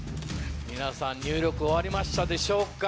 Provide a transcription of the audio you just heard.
皆さん入力終わりましたでしょうか？